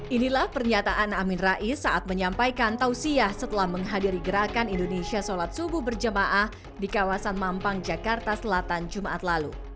inilah pernyataan amin rais saat menyampaikan tausiyah setelah menghadiri gerakan indonesia sholat subuh berjemaah di kawasan mampang jakarta selatan jumat lalu